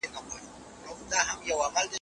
ولې انسانان ټولنیز ژوند کوي؟